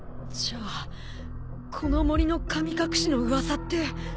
じゃあこの森の神隠しの噂って。